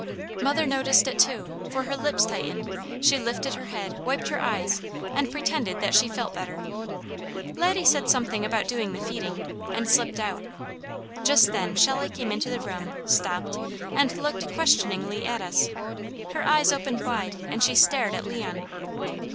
Mother noticed it too, for her lips tightened, she lifted her head, wiped her eyes, and pretended that she felt better. Laddie said something about doing the feeding, and slipped out. Just then Shelley came into the room, stopped, and looked questioningly at us. Her eyes opened wide, and she stared hard at Leon.